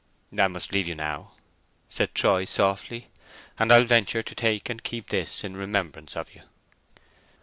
"I must leave you now," said Troy, softly. "And I'll venture to take and keep this in remembrance of you."